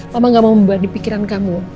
mama gak mau membahas di pikiran kamu